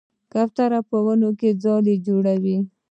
کوتره په ونو کې ځاله جوړوي.